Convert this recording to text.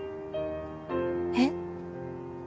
えっ？